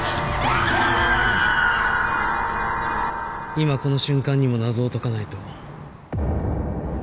今この瞬間にも謎を解かないと。